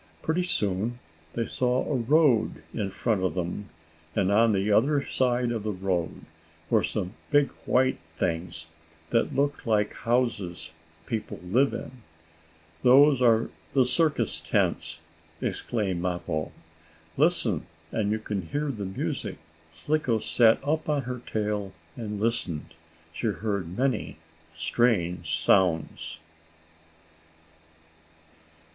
Pretty soon they saw a road in front of them. And, on the other side of the road, were some big white things, that looked like houses people live in. "Those are the circus tents," exclaimed Mappo. "Listen and you can hear the music." Slicko sat up on her tail and listened. She heard many strange sounds.